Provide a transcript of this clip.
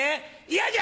嫌じゃ！